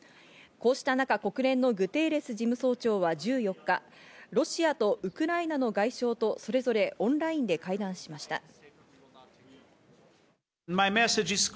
こうした中、国連のグテーレス事務総長は１４日、ロシアとウクライナの外相とそれぞれオンラインで会談しました。